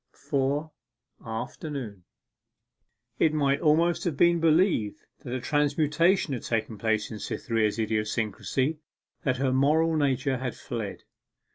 4. AFTERNOON It might almost have been believed that a transmutation had taken place in Cytherea's idiosyncrasy, that her moral nature had fled.